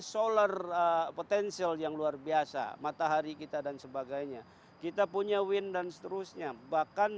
solar potensial yang luar biasa matahari kita dan sebagainya kita punya win dan seterusnya bahkan